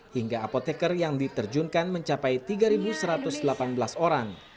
hingga apotekar yang diterjunkan mencapai tiga satu ratus delapan belas orang